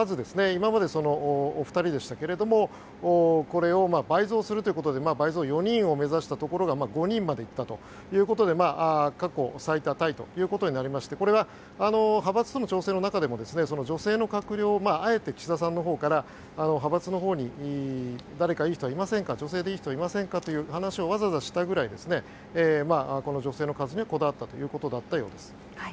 今まで２人でしたがこれを倍増するということで倍増、４人を目指したところが５人まで行ったということで過去最多タイということになりましてこれが派閥との調整の中でも女性の閣僚あえて岸田さんのほうから派閥のほうに誰かいい人はいませんか女性でいい人はいませんかという話をわざわざしたくらいこの女性の数にはこだわったようです。